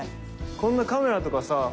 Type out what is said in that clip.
こんなカメラとかさ。